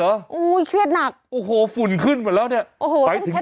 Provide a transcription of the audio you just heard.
โอ้โหเครียดหนักโอ้โหฝุ่นขึ้นหมดแล้วเนี่ยโอ้โหหมายถึง